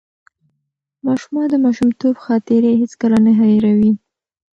ماشومان د ماشومتوب خاطرې هیڅکله نه هېروي.